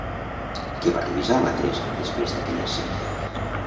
Què va revisar la Teresa després d'aquella escena?